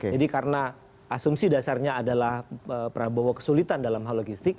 jadi karena asumsi dasarnya adalah prabowo kesulitan dalam hal logistik